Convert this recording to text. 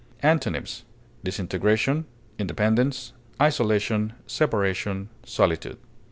Antonyms: disintegration, independence, isolation, separation, solitude.